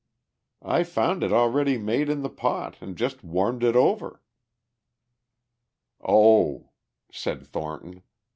"I found it already made in the pot and just warmed it over!" "Oh," said Thornton.